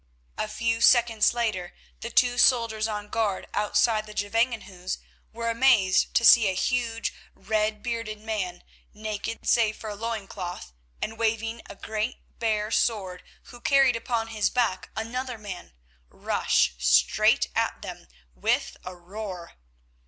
A few seconds later the two soldiers on guard outside the Gevangenhuis were amazed to see a huge, red bearded man, naked save for a loin cloth, and waving a great bare sword, who carried upon his back another man, rush straight at them with a roar.